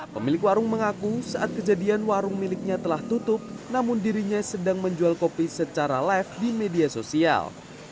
pemilik warung mengaku saat kejadian warung miliknya telah tutup namun dirinya sedang menjual kopi secara live di media sosial